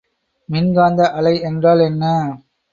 மின்காந்த அலை என்றால் என்ன?